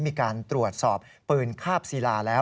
มีการตรวจสอบปืนคาบศิลาแล้ว